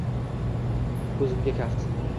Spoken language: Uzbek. Ko‘zimga kaft